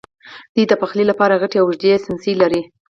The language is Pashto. دوی د پخلی لپاره غټې او اوږدې څیمڅۍ لرلې.